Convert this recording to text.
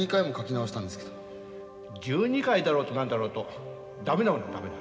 １２回だろうと何だろうとダメなものはダメだ。